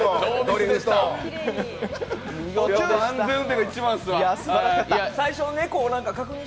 安全運転が一番っすわ。